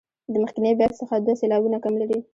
د مخکني بیت څخه دوه سېلابونه کم لري.